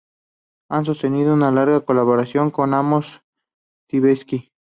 Ha sostenido una larga colaboración con Amos Tversky.